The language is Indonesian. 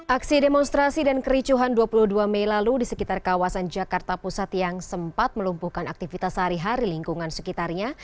aksi demonstrasi dan kericuhan dua puluh dua mei lalu di sekitar kawasan jakarta pusat yang sempat melumpuhkan aktivitas sehari hari lingkungan sekitarnya